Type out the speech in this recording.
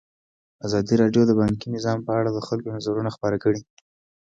ازادي راډیو د بانکي نظام په اړه د خلکو نظرونه خپاره کړي.